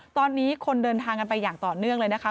ตอนนี้คนเดินทางกันไปอย่างต่อเนื่องเลยนะคะ